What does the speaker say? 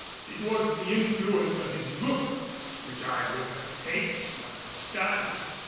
It was the influence of his look which I was at pains to understand.